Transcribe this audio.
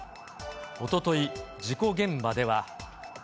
おととい、事故現場では。